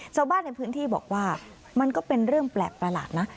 ชาวบ้านในพื้นที่บอกว่ามันก็เป็นเรื่องแปลกประหลาดนะ